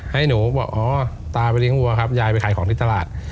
ให้หนูบอกอ๋อตาไปเลี้ยวัวครับยายไปขายของที่ตลาด